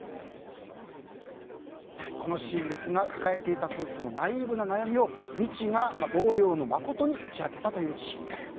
このシーンですが抱えていた夫婦のナイーブな悩みをみちが同僚の誠に打ち明けたというシーンです。